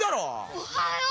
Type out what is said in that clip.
おはよう。